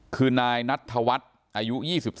คือนายนัทธวัฒน์อายุ๒๓